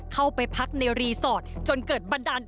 เข้าไปพักในรีสอร์ทจนเกิดบันดาล